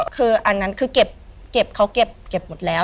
คืออันนั้นคือเก็บเขาเก็บหมดแล้ว